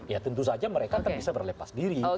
ya tentu saja mereka kan bisa berlepas diri